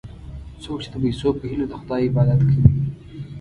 څوک چې د پیسو په هیله د خدای عبادت کوي.